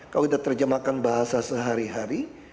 kalau kita terjemahkan bahasa sehari hari